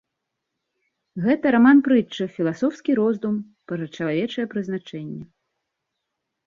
Гэта раман-прытча, філасофскі роздум пра чалавечае прызначэнне.